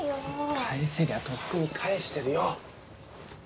返せりゃとっくに返してるよ。